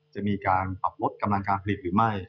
จะมีการปรับลดกำลังการผลิตหรือไม่